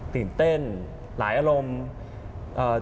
ตื่นเต้นหลายอารมณ์เอ่อ